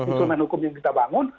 instrumen hukum yang kita bangun